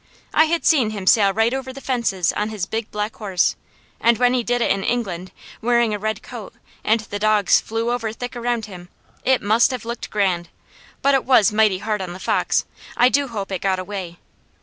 I had seen him sail right over the fences on his big black horse, and when he did it in England, wearing a red coat, and the dogs flew over thick around him, it must have looked grand, but it was mighty hard on the fox. I do hope it got away.